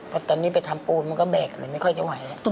เพราะตอนนี้ไปทำปูนมันก็แบกอะไรไม่ค่อยจะไหว